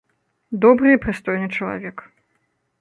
Добры і прыстойны чалавек.